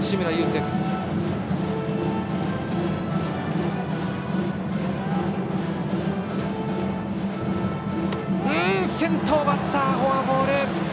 先頭バッター、フォアボール！